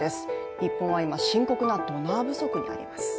日本は今、深刻なドナー不足になります。